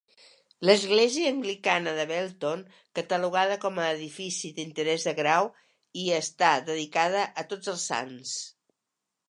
L'església anglicana de Belton, catalogada com a edifici d'interès de grau I, està dedicada a Tots els Sants.